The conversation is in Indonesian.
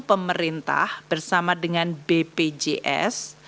pemerintah bersama dengan bpjs